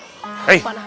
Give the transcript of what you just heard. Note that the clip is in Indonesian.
hei biar ada dingin